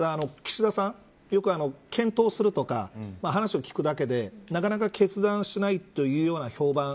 岸田さん、よく検討するとか話を聞くだけでなかなか決断しないというような評判